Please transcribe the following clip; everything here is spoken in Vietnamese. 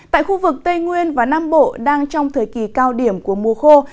tại khu vực tây nguyên và nam bộ đang trong thời kỳ cao điểm của mùa khô